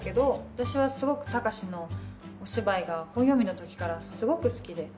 私はすごく高志のお芝居が本読みの時からすごく好きで。